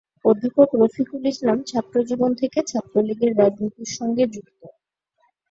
অধ্যাপক রফিকুল ইসলাম ছাত্রজীবন থেকে ছাত্রলীগের রাজনীতির সঙ্গে যুক্ত।